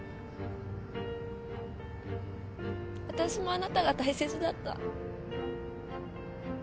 わたしもあなたが大切だった。